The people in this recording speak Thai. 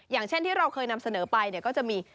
อย่างเช่นที่เราเคยนำเสนอไปเนี่ยก็จะมี